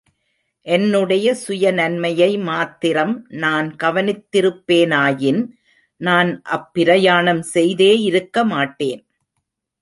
என்னுடைய சுயநன்மையை மாத்திரம் நான் கவனித்திருப்பேனாயின், நான் அப்பிரயாணம் செய்தே இருக்க மாட்டேன்.